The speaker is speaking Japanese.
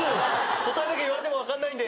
答えだけ言われても分かんないんで。